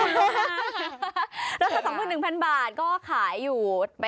แล้วถ้า๒๑๐๐๐บาทก็ขายอยู่